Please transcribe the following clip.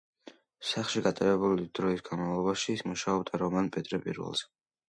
სახლში გატარებული დროის განმავლობაში ის მუშაობდა რომან „პეტრე პირველზე“.